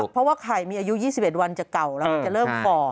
เพราะว่าไข่มีอายุ๒๑วันจะเก่าแล้วมันจะเริ่มฝ่อ